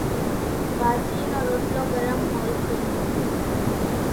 ٻازرِي نو روٽلو ڳرم هوئيَ سي۔